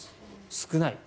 少ない。